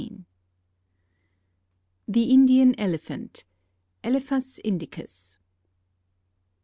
] THE INDIAN ELEPHANT. (_Elephas indicus.